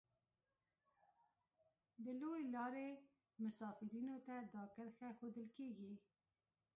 د لویې لارې مسافرینو ته دا کرښه ښودل کیږي